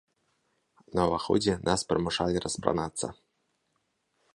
На ўваходзе нас прымушалі распранацца.